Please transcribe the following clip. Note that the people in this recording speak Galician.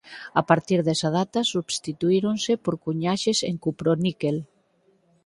A partir desa data substituíronse por cuñaxes en cuproníquel.